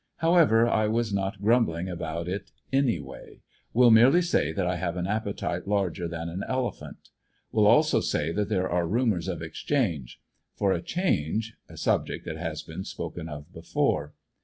However, I was not grumbling about it any way. Will merely add that I have an appetite larger than an elephant. Will also say that there are rumors of exchange, for a change — a subject ANDERSONVILLE DIARY, 115 that has been spoken of before.